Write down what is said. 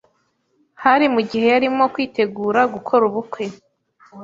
hari mu gihe yarimo kwitegura gukora ubukwe